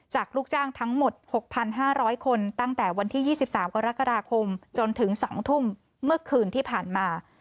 ลูกจ้างทั้งหมด๖๕๐๐คนตั้งแต่วันที่๒๓กรกฎาคมจนถึง๒ทุ่มเมื่อคืนที่ผ่านมา